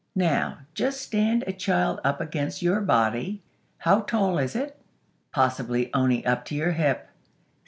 Now, just stand a child up against your body. How tall is it? Possibly only up to your hip.